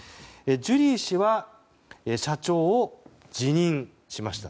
ジュリー氏は社長を辞任しました。